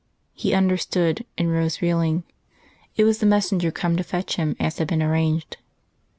He understood, and rose reeling; it was the messenger come to fetch him as had been arranged.